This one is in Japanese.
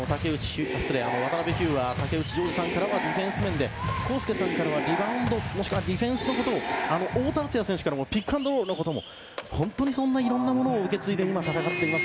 渡邉飛勇は竹内譲次さんからはディフェンス面で公輔さんからはリバウンドもしくはディフェンスのことを太田敦也選手からピックアンドロールのことも本当にいろんなことを受け継いで今、戦っています。